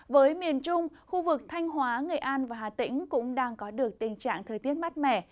với miền trung khu vực thanh hóa nghệ an và hà tĩnh cũng đang có được tình trạng thời tiết mát mẻ